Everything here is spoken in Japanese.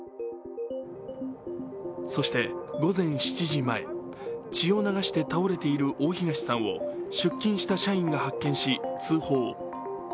そして午前７時前、血を流して倒れている大東さんを出勤した社員が発見し、通報。